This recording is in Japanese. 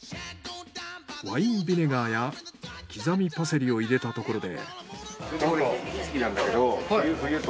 ワインビネガーや刻みパセリを入れたところで。